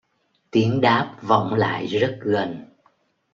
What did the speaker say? tiếng đáp vọng lại rất gần